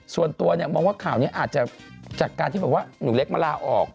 ส่วนตัวเนี่ยมองว่าข่าวนี้อาจจะจากการที่แบบว่าหนูเล็กมาลาออก